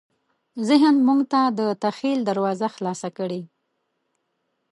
ذهن موږ ته د تخیل دروازه خلاصه کړې.